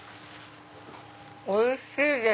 おいしいです！